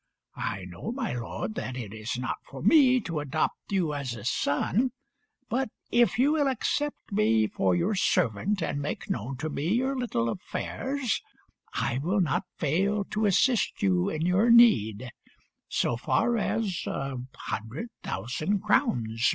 I know, my lord, that it is not for me to adopt you as a son, but if you will accept me for your servant and make known to me your little affairs, I will not fail to assist you in your need so far as a hundred thousand crowns may go."